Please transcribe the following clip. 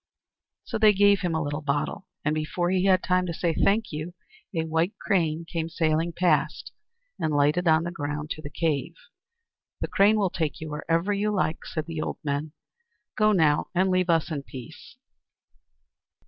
So they gave him a little bottle; and before he had time to say, "Thank you!" a White Crane came sailing past, and lighted on the ground close to the cave. "The Crane will take you wherever you like," said the old men. "Go now, and leave us in peace."